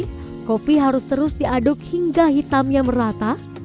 tapi kopi harus terus diaduk hingga hitamnya merata